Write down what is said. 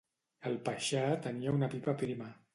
El paixà tenia una pipa prima.